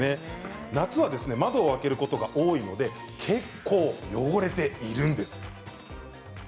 夏は窓を開けることが多いので結構汚れているんです。